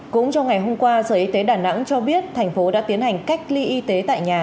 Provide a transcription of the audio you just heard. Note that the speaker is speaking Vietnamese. cũng trong ngày hôm qua sở y tế đà nẵng cho biết thành phố đã tiến hành cách ly y tế tại nhà